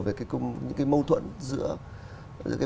về những cái mâu thuẫn giữa